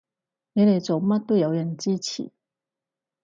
你哋做乜都有人支持